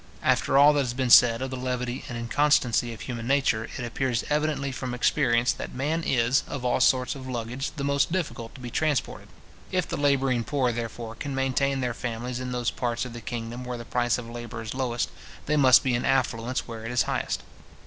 After all that has been said of the levity and inconstancy of human nature, it appears evidently from experience, that man is, of all sorts of luggage, the most difficult to be transported. If the labouring poor, therefore, can maintain their families in those parts of the kingdom where the price of labour is lowest, they must be in affluence where it is highest.